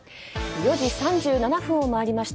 ４時３７分を回りました。